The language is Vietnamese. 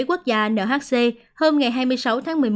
quốc gia nhc hôm ngày hai mươi sáu tháng một mươi một